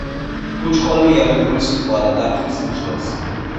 „ფუჩხოლია“ მეგრული სიტყვაა და დაფშვნილს ნიშნავს.